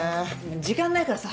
時間ないからさ